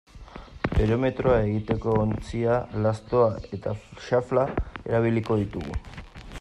Barometroa egiteko ontzia, lastoa eta xafla erabiliko ditugu.